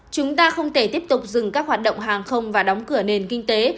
chúng ta không thể tiếp tục dừng các hoạt động hàng không và đóng cửa nền kinh tế